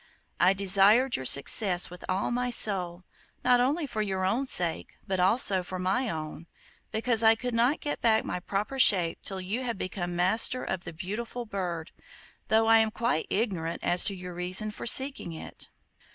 I desired your success with all my soul, not only for your own sake, but also for my own, because I could not get back my proper shape till you had become master of the beautiful bird, though I am quite ignorant as to your reason for seeking it.